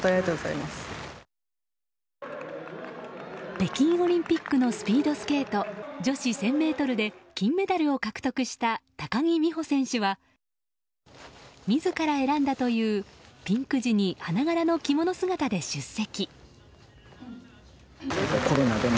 北京オリンピックのスピードスケート女子１０００ｍで金メダルを獲得した高木美帆選手は自ら選んだというピンク地に花柄の着物姿で出席。